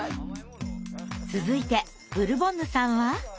続いてブルボンヌさんは。